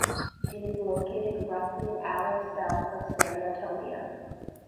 It is located roughly an hour south of San Antonio.